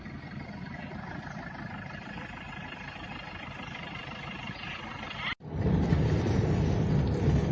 น้ำไหลแรงมากค่ะ